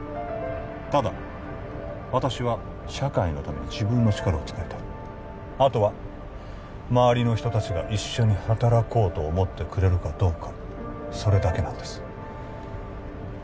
ただ私は社会のために自分の力を使いたいあとは周りの人達が一緒に働こうと思ってくれるかどうかそれだけなんです